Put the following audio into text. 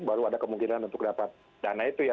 baru ada kemungkinan untuk dapat dana itu ya